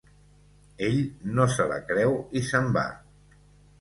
Ell no se la creu i se'n va.